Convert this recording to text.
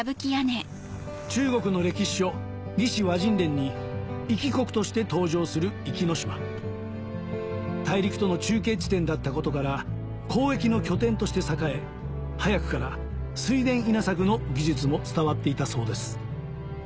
中国の歴史書『魏志倭人伝』に一支国として登場する壱岐島大陸との中継地点だったことから交易の拠点として栄え早くから水田稲作の技術も伝わっていたそうです